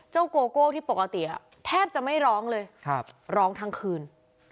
โกโก้ที่ปกติแทบจะไม่ร้องเลยร้องทั้งคืน